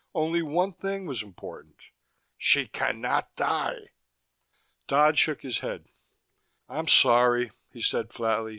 Only one thing was important: "She can not die." Dodd shook his head. "I'm sorry," he said flatly.